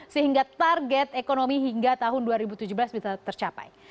sehingga target ekonomi hingga tahun dua ribu tujuh belas bisa tercapai